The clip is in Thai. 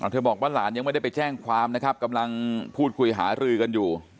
บอกว่าหลานยังไม่ได้ไปแจ้งความนะครับกำลังพูดคุยหารือกันอยู่